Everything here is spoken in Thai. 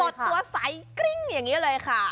ดตัวใสกริ้งอย่างนี้เลยค่ะ